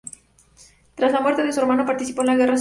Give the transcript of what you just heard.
Tras la muerte de su hermano participó en la guerra social.